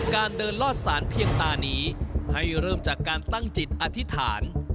การเดินลอดสารเพียงตานี้ให้เริ่มจากการตั้งจิตอธิษฐาน